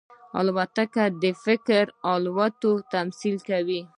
الوتکه د فکر د الوت تمثیل کوي.